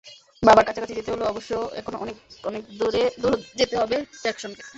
বাবার কাছাকাছি যেতে হলেও অবশ্য এখনো অনেক অ-নে-ক দূর যেতে হবে জ্যাকসনকে।